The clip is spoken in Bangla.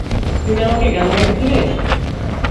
তুমি আমাকে গান গাইতে দিবে?